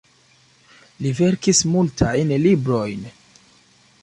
Li verkis multajn librojn.